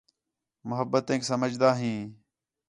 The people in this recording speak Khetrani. محبتیک سمجھدا ہیں